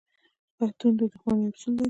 پښتون د دښمنۍ اصول لري.